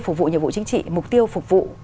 phục vụ nhiệm vụ chính trị mục tiêu phục vụ